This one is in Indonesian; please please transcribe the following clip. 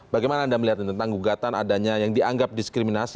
bagaimana anda melihat ini tentang gugatan adanya yang dianggap diskriminasi